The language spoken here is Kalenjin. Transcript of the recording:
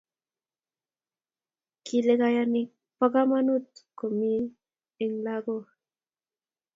Kile kanyaik ba kamanut kumik en lakok